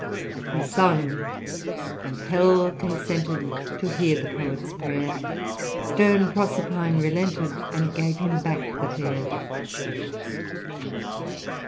cc He sung, and hell consented To hear that poet's prayer ; Stem Proserpine relented. And gave him back the fair."